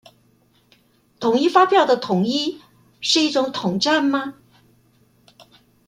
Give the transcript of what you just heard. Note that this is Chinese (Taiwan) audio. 統一發票的統一，是一種統戰嗎？